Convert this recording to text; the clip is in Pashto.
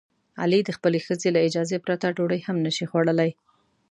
علي د خپلې ښځې له اجازې پرته ډوډۍ هم نشي خوړلی.